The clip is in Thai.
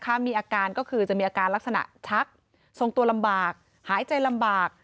ถ้ามีอาการก็คือจะมีอาการลักษณะชักทรงตัวลำบากหายใจลำบาก